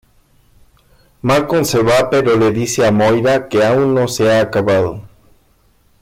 Malcolm se va pero le dice a Moira que aún no se ha acabado.